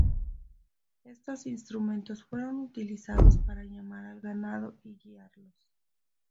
Estos instrumentos fueron utilizados para llamar al ganado y guiarlos.